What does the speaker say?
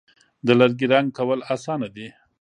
د لرګي رنګ کول آسانه دي.